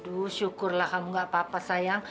aduh syukurlah kamu gak apa apa sayang